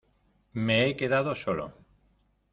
me he quedado solo